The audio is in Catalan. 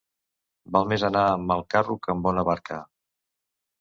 Val més anar amb mal carro que amb bona barca.